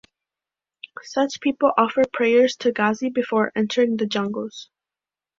Such people offer prayers to Ghazi before entering the jungles.